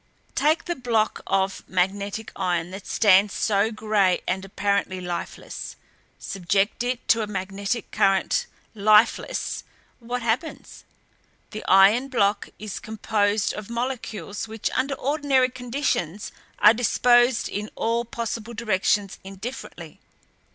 "Take the block of magnetic iron that stands so gray and apparently lifeless, subject it to a magnetic current lifeless, what happens? The iron block is composed of molecules which under ordinary conditions are disposed in all possible directions indifferently.